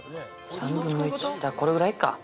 ３分の１ってこのぐらいか。